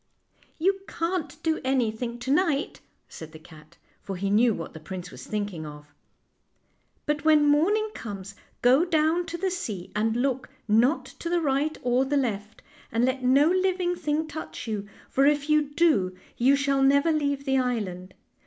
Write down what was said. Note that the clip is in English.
" You can't do anything to night," said the cat, for he knew what the prince was thinking of, " but when morning comes go down to the sea, and look not to the right or the left, and let no living thing touch you, for if you do you shall never leave the island.